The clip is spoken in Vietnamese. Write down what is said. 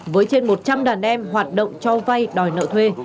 với trên một trăm linh đàn em hoạt động cho vay đòi nợ thuê